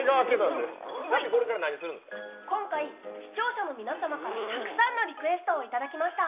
今回、視聴者の皆様からたくさんのリクエストをいただきました。